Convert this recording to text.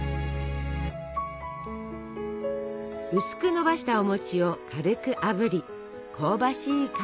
薄くのばしたおを軽くあぶり香ばしい香り。